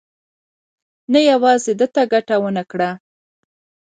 نه یوازې ده ته ګټه ونه کړه.